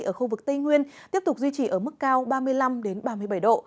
ở khu vực tây nguyên tiếp tục duy trì ở mức cao ba mươi năm ba mươi bảy độ